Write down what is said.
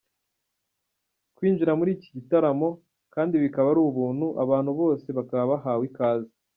Kwinjira muri iki gitaramo kandi bikaba ari ubuntu, abantu bose bakaba bahawe ikaze.